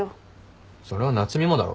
それは夏海もだろ。